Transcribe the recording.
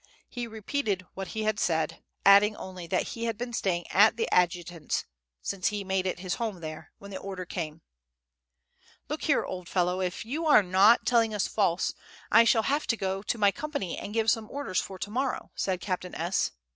He repeated what he had said, adding only that he had been staying at the adjutant's (since he made it his home there) when the order came. "Look here, old fellow, if you are not telling us false, I shall have to go to my company and give some orders for to morrow," said Captain S.